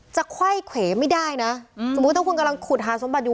จะค่อยเขวไม่ได้นะอืมสมมุติว่าถ้าคุณกำลังขุดหาสมบัติอยู่